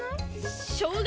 しょうが？